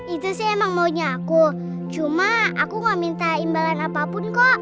itu sih emang maunya aku cuma aku gak minta imbalan apapun kok